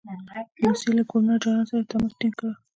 د روسیې له ګورنر جنرال سره یې تماس ټینګ کړ.